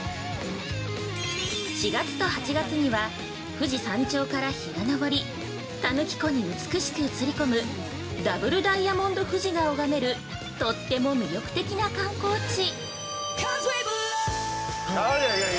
４月と８月には、富士山頂から日が昇り、田貫湖に美しく映り込む「ダブルダイヤモンド富士」が拝める、とっても魅力的な観光地。